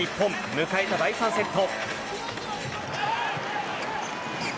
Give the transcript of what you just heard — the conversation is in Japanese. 迎えた第３セット。